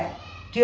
còn ưu có tiền